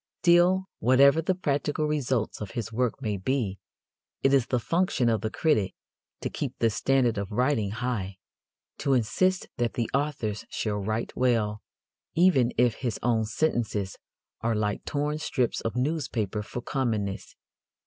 Still, whatever the practical results of his work may be, it is the function of the critic to keep the standard of writing high to insist that the authors shall write well, even if his own sentences are like torn strips of newspaper for commonness.